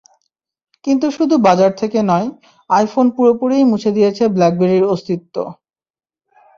কিন্তু শুধু বাজার থেকে নয়, আইফোন পুরোপুরিই মুছে দিয়েছে ব্ল্যাকবেরির অস্তিত্ব।